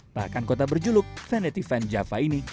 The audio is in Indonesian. bahkan kota berjuluk vanity van java ini